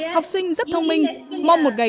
học sinh rất thông minh mong một ngày